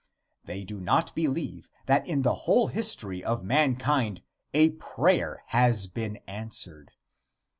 They do not believe that in the whole history of mankind a prayer has been answered.